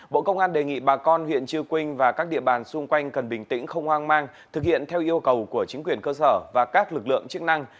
bộ công an đề nghị bà con huyện chư quynh và các địa bàn xung quanh cần bình tĩnh không hoang mang thực hiện theo yêu cầu của chính quyền cơ sở và các lực lượng chức năng